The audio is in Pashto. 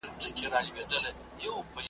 خورا توندې نیوکې کړې دي